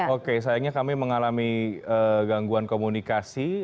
oke sayangnya kami mengalami gangguan komunikasi